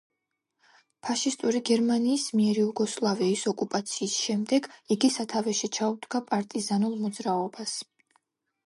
ფაშისტური გერმანიის მიერ იუგოსლავიის ოკუპაციის შემდეგ იგი სათავეში ჩაუდგა პარტიზანულ მოძრაობას.